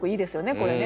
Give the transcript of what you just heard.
これね。